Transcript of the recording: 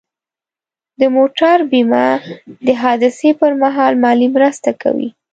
د موټر بیمه د حادثې پر مهال مالي مرسته کوي.